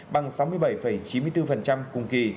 bằng sáu mươi bảy chín mươi bốn cùng kỳ